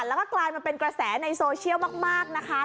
แล้วก็กลายมาเป็นกระแสในโซเชียลมากนะคะ